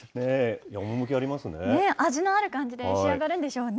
味のある感じで仕上がるんでしょうね。